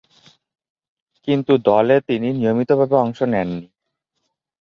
কিন্তু, দলে তিনি নিয়মিতভাবে অংশ নেননি।